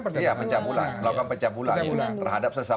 melakukan percabulan terhadap sesama diri